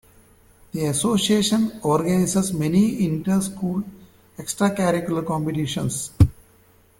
The association organises many inter-school extracurricular competitions.